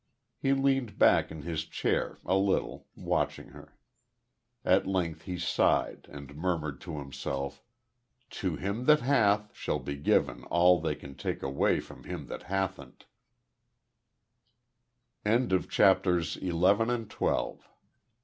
He leaned back in his chair, a little, watching her. At length he sighed, and murmured to himself: "To him that hath, shall be given all they can take away from him that hathn't." CHAPTER THIRTEEN. THE GOING.